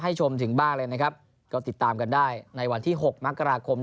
ชมถึงบ้านเลยนะครับก็ติดตามกันได้ในวันที่หกมกราคม